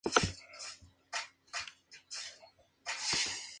Muelle de espera, rampa, reparación y mantenimiento, combustible y varadero.